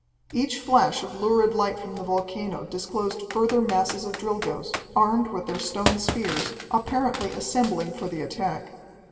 Each flash of lurid light from the volcano disclosed further masses of Drilgoes, armed with their stone spears, apparently assembling for the attack.